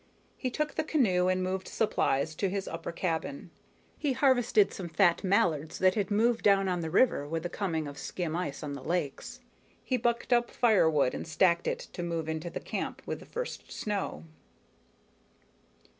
He took the canoe and moved supplies to his upper cabin. He harvested some fat mallards that had moved down on the river with the coming of skim ice on the lakes. He bucked up firewood and stacked it to move into camp with the first snow.